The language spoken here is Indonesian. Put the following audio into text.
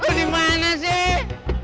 lo dimana sih